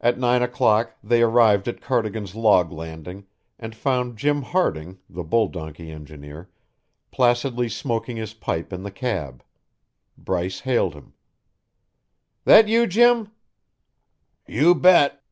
At nine o'clock they arrived at Cardigan's log landing and found Jim Harding, the bull donkey engineer, placidly smoking his pipe in the cab. Bryce hailed him. "That you, Jim?" "You bet."